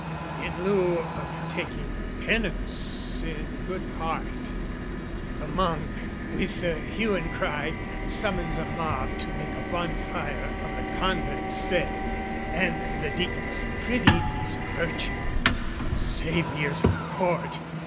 In lieu of taking penance in good part, The Monk, with hue and cry, summons a mob To make a bonfire of the convent, say, And the Deacon's pretty piece of virtue (save The ears o' the Court!